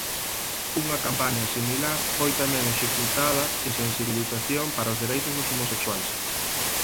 Unha campaña similar foi tamén executada de sensibilización para os dereitos dos homosexuais.